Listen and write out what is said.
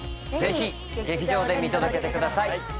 劇場で見届けてください。